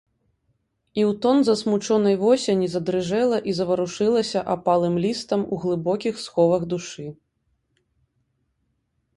І ў тон засмучонай восені задрыжэла і заварушылася апалым лістам у глыбокіх сховах душы.